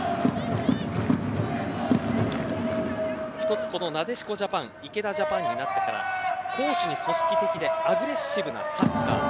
一つ、なでしこジャパン池田ジャパンになってから攻守に組織的でアグレッシブなサッカー。